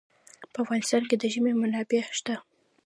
په افغانستان کې د ژمی منابع شته.